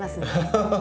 ハハハッ。